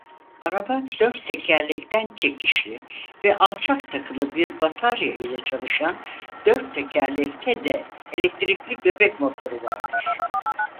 Araba dört tekerlekten çekişli ve alçak takılı bir batarya ile çalışan dört tekerlekte de elektrikli göbek motoru vardır.